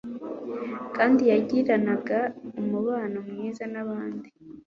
kandi yagiranaga umubano mwiza n'abandi.